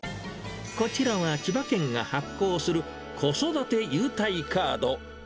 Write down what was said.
こちらは千葉県が発行する子育て優待カード。